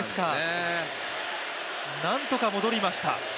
なんとか戻りました。